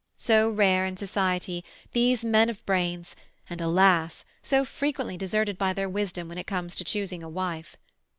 So rare in society, these men of brains, and, alas! so frequently deserted by their wisdom when it comes to choosing a wife.